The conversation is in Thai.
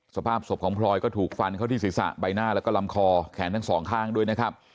สภาพศพของพลอยก็ถูกฟันเข้าที่ศีรษะใบหน้าแล้วก็ลำคอแขนทั้งสองข้างด้วยนะครับ